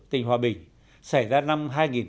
tỉnh hòa bình xảy ra năm hai nghìn một mươi bảy